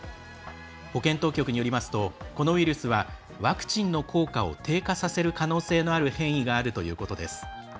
保健当局によりますとこのウイルスはワクチンの効果を低下させる可能性のある変異があるということです。